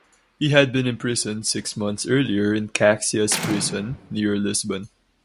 He had been imprisoned six months earlier in Caxias prison near Lisbon.